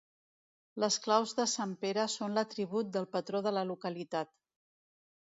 Les claus de sant Pere són l'atribut del patró de la localitat.